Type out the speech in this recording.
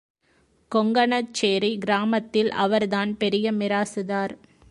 கொங்கணச்சேரி கிராமத்தில் அவர்தான் பெரிய மிராசுதார்.